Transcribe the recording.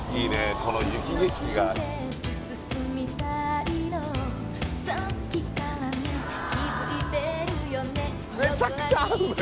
この雪景色がめちゃくちゃ合うのよ